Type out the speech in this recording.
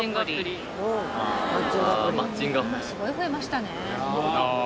今すごい増えましたね。